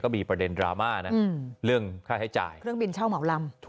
มีประเด็นดราม่านะเรื่องค่าใช้จ่ายเครื่องบินเช่าเหมาลำ